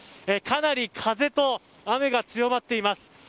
かなり風と雨が強まっています。